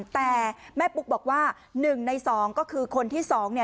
แต่แม่ปุ๊กบอกว่า๑ใน๒ก็คือคนที่๒เนี่ย